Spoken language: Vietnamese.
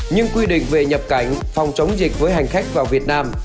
nhưng quy định về nhập cảnh phòng chống dịch với hành khách vào việt nam